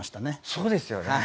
そうですよね。